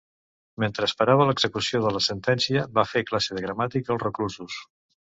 Mentre esperava l'execució de la sentència, va fer classe de Gramàtica als reclusos.